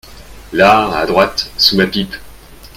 Là… à droite… sous ma pipe.